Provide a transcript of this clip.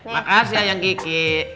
makasih ayang kiki